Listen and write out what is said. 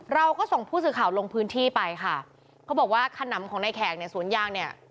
เราก็ส่งผู้สื่อข่าวลงพื้นที่ไปค่ะเขาบอกว่าขนำของในแขกในสวนยางเนี่ย